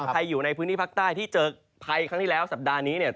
อยู่ในพื้นที่ภาคใต้ที่เจอภัยครั้งที่แล้วสัปดาห์นี้เนี่ย